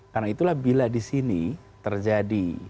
karena itulah bila di sini terjadi